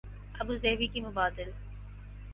Abu Dhabi کی مبادل